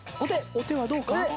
お手はどうか？